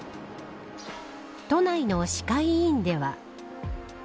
都内の歯科医院では。